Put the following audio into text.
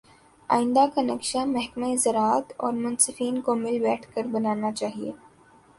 آئندہ کا نقشہ محکمہ زراعت اورمنصفین کو مل بیٹھ کر بنانا چاہیے